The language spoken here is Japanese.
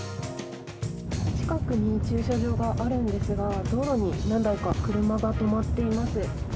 近くに駐車場があるんですが道路に何台か車が止まっています。